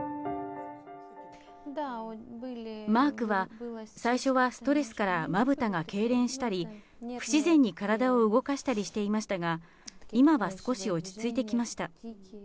マークは最初はストレスからまぶたがけいれんしたり、不自然に体を動かしたりしていましたが、今は少し落ち着いてきました。